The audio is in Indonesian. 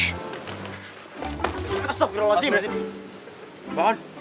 wisara kaya seseorang